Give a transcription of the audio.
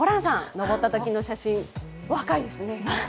登ったときの写真、お若いですね。